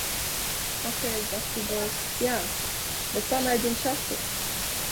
Hokejs, basketbols - jā! Bet pamēģini šahu!